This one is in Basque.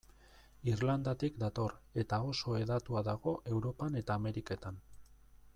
Irlandatik dator, eta oso hedatua dago Europan eta Ameriketan.